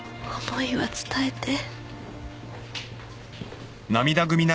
思いは伝えて。